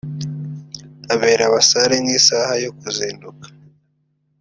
ubera abasare nk’isaha yo kuzinduka